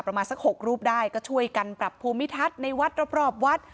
ประมาณสัก๖รูปได้ก็ช่วยกันปรับภูมิทัศน์ในวัดรอบวัด